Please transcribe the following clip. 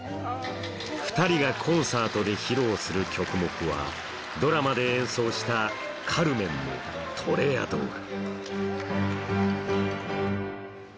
２人がコンサートで披露する曲目はドラマで演奏した『カルメン』の「トレアドール」